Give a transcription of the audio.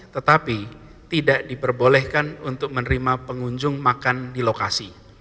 tetapi tidak diperbolehkan untuk menerima pengunjung makan di lokasi